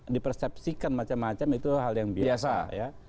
dipersepsikan macam macam itu hal yang biasa ya